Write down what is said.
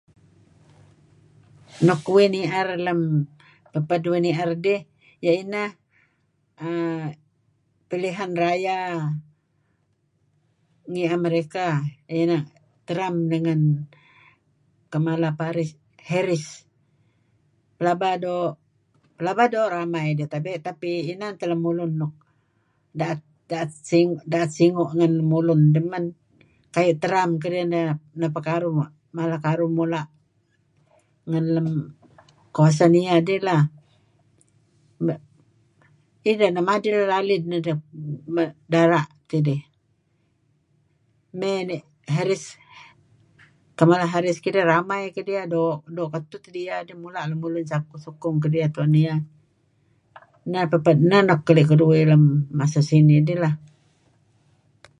Nuk uih nier lem paped uih nier dih iyeh ineh uhm pilihan raya ngi America ineh. Trump am dengan Kamala Paris, Harris pelaba doo', pelaba doo' ramai deh tabe' tapi inan teh lemulun nuk daet singu' ngen lemulun dih man. Kayu' Trump kedieh neh pekaruh mala karuh mula' ngen lem kawasan iyeh kai' lah ideh neh mail lalid nedih dara' tidih. May neh Harris, Kamala Harris kedieh ramai doo' ketuh teh dieh dih mula' lemulun sukong kedieh tuen iyeh. Neh paped, neh nuk keli' keduih masa sinih dih lah.